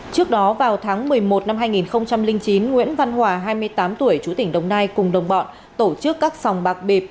trước đó vào tháng một mươi một năm hai nghìn chín nguyễn văn hòa hai mươi tám tuổi chú tỉnh đồng nai cùng đồng bọn tổ chức các sòng bạc bịp